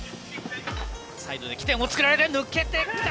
サイドで起点を作られ抜けてきた。